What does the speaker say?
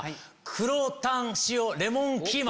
黒タン塩レモンキーマ。